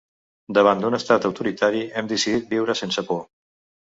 Davant d'un estat autoritari, hem decidit viure sense por.